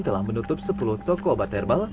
telah menutup sepuluh toko obat herbal